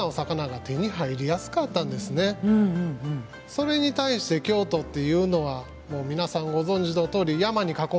それに対して京都っていうのは皆さんご存じのとおり山に囲まれてます。